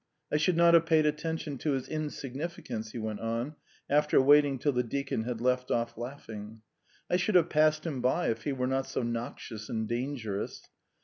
I should not have paid attention to his insignificance," he went on, after waiting till the deacon had left off laughing; "I should have passed him by if he were not so noxious and dangerous.